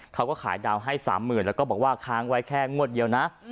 เขาก็ขายดาวน์ให้๓๐๐๐แล้วก็บอกว่าค้างไว้แค่งวดเดียวนะ